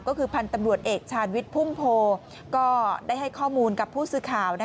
ก็คือพันธุ์ตำรวจเอกชาญวิทย์พุ่มโพก็ได้ให้ข้อมูลกับผู้สื่อข่าว